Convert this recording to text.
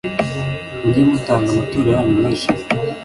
Mujye mutanga amaturo yanyu mwishimye